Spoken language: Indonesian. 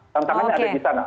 tantangannya ada di sana